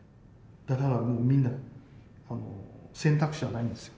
だからもうみんな選択肢はないんですよ。